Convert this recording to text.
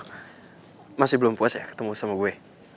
karena masih belum puas ya ketemu sama gue